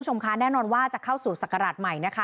คุณผู้ชมคะแน่นอนว่าจะเข้าสู่ศักราชใหม่นะคะ